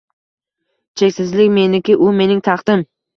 Cheksizlik meniki… u mening taxtim.